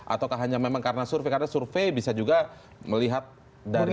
ataukah hanya memang karena survei karena survei bisa juga melihat dari